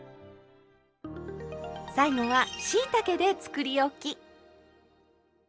最後はしいたけでつくりおき。